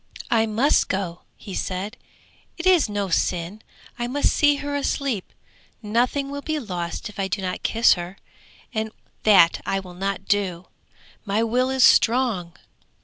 'I must go,' he said, 'it is no sin; I must see her asleep; nothing will be lost if I do not kiss her, and that I will not do. My will is strong.'